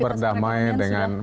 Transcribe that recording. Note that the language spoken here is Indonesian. berdamai dengan bencana